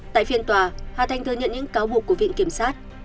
tại phiên tòa hà thanh thơ nhận những cáo buộc của viện kiểm sát